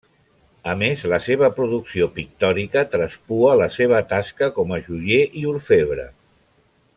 A més, la seva producció pictòrica traspua la seva tasca com a joier i orfebre.